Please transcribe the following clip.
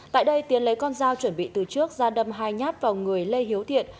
tại đây tiến lấy con dao chuẩn bị từ trước ra đâm hai nhát vào người lê hiếu thiện